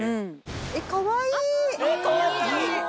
えっ、かわいい。